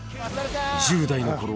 ［１０代のころ